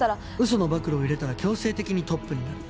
嘘の暴露を入れたら強制的にトップになる。